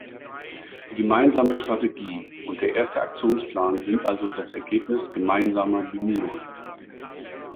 Die gemeinsame Strategie und der erste Aktionsplan sind also das Ergebnis gemeinsamer Bemühungen.